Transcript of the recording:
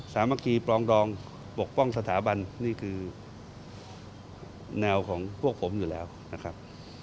สามัคคีปรองดองปกป้องสถาบันนี่คือแนวของพวกผมอยู่แล้วนะครับ